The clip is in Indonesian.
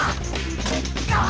aku mau lihat